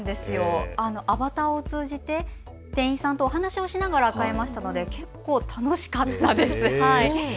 アバターを通じて店員さんとお話をしながら買えましたので結構、楽しかったです。